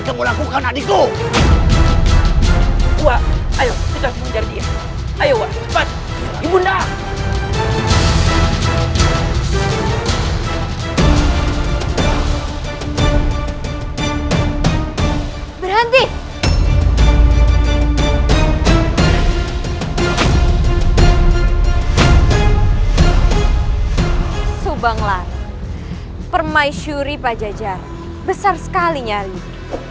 kau berani mengejar apa kamu sudah bosan hidup